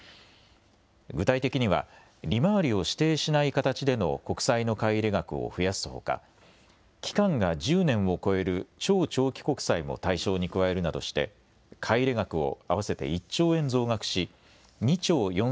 具体的には利回りを指定しない形での国債の買い入れ額を増やすほか期間が１０年を超える超長期国債も対象に加えるなどして買い入れ額を合わせて１兆円増額し２兆４５００億